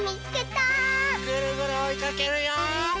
ぐるぐるおいかけるよ！